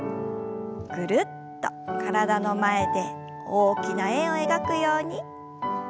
ぐるっと体の前で大きな円を描くように。